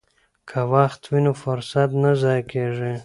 که وخت وي نو فرصت نه ضایع کیږي.